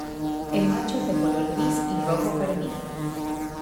El macho es de color gris y rojo carmín.